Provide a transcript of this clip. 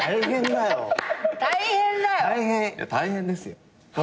大変ですよ。